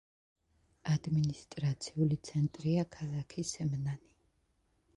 ადმინისტრაციული ცენტრია ქალაქი სემნანი.